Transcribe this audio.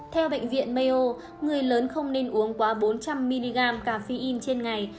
theo bệnh viện mayo người lớn không nên uống quá bốn trăm linh mg caffeine trên ngày